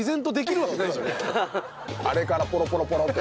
あれからポロポロポロって？